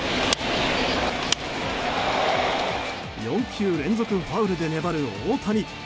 ４球連続ファウルで粘る大谷。